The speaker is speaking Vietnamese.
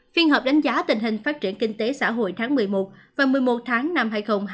phiên họp đánh giá tình hình phát triển kinh tế xã hội tháng một mươi một và một mươi một tháng năm hai nghìn hai mươi